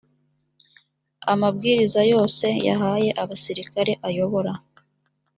amabwiriza yose yahaye abasirikare ayobora